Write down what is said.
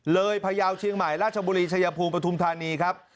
เรยพาเยาว์เชียงใหม่ราชบุรีชยภูมิปธูมิธานีครับ